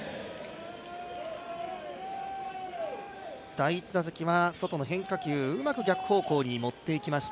第１打席は外の変化球をうまく逆方向に持っていきました